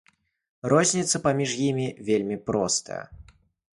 Розніца паміж імі вельмі простая.